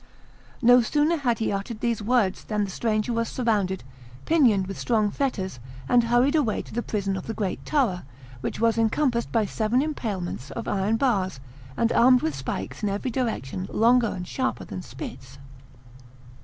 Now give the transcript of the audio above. No sooner had he uttered these words than the stranger was surrounded, pinioned with strong fetters, and hurried away to the prison of the great tower, which was encompassed by seven empalements of iron bars, and armed with spikes in every direction longer and sharper than spits.